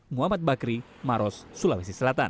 muhammad bakri maros sulawesi selatan